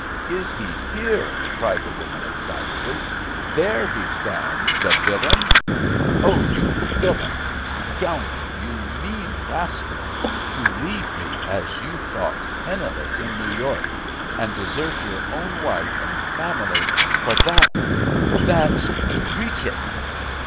"Is he here?" cried the woman excitedly; "there he stands, the villain. Oh, you villain, you scoundrel, you mean rascal, to leave me, as you thought, penniless in New York, and desert your own wife and family for that—that creature!"